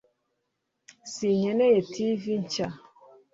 sinkeneye tv nshya